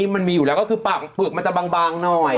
มันมีอยู่แล้วก็คือปากมันจะบางหน่อย